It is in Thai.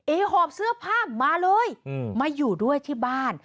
หอบเสื้อผ้ามาเลยมาอยู่ด้วยที่บ้าน